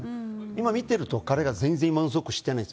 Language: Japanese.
今見てると、彼は全然、満足してないです。